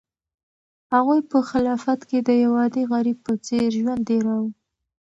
هغوی په خلافت کې د یو عادي غریب په څېر ژوند تېراوه.